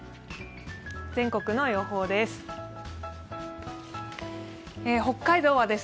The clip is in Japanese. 全国の予報です。